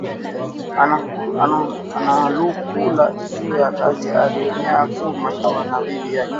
Analukula njuya Kaji ari fwanya ku mashamba na bibi yake